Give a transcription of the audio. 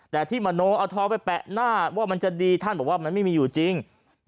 แต่ที่มโนเอาทอไปแปะหน้าว่ามันจะดีท่านบอกว่ามันไม่มีอยู่จริง